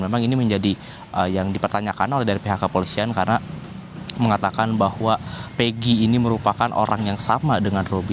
memang ini menjadi yang dipertanyakan oleh dari pihak kepolisian karena mengatakan bahwa peggy ini merupakan orang yang sama dengan roby